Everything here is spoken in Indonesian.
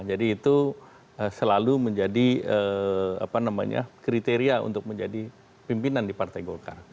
jadi itu selalu menjadi kriteria untuk menjadi pimpinan di partai golkar